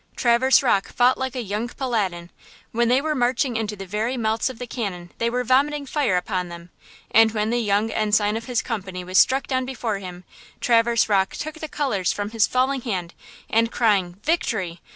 Traverse Rocke fought like a young Paladin. When they were marching into the very mouths of the cannon they were vomiting fire upon them, and when the young ensign of his company was struck down before him, Traverse Rocke took the colors from his falling hand, and crying, "Victory!"